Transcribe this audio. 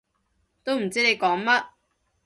都唔知你講乜